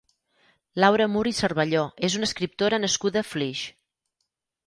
Laura Mur i Cervelló és una escriptora nascuda a Flix.